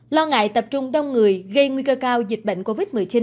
lo ngại tập trung đông người gây nguy cơ cao dịch bệnh covid một mươi chín